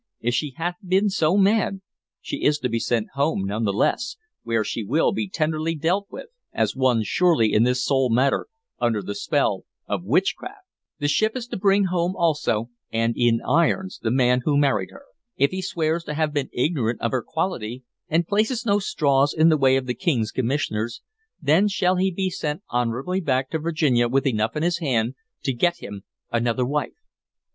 If she hath been so mad, she is to be sent home none the less, where she will be tenderly dealt with as one surely in this sole matter under the spell of witchcraft. The ship is to bring home also and in irons the man who married her. If he swears to have been ignorant of her quality, and places no straws in the way of the King's Commissioners, then shall he be sent honorably back to Virginia with enough in his hand to get him another wife.